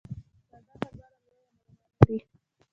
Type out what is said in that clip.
ساده خبره لویه معنا لري.